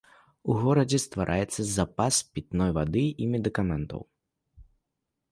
У горадзе ствараецца запас пітной вады і медыкаментаў.